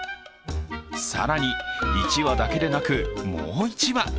更に、１羽だけでなく、もう１羽。